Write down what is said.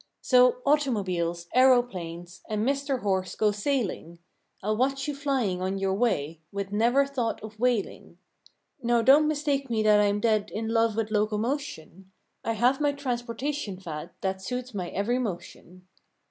So, automobiles, aeroplanes And Mister Horse, go sailing; I'll watch you flying on your way, With never thought of wailing. Now don't mistake me that I'm dead In love with locomotion ; I have my transportation fad That suits my every motion.